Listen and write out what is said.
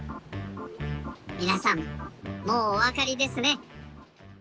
みなさんもうおわかりですね。